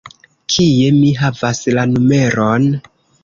Kie mi havas la numeron?